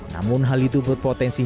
namun hal itu berpotensi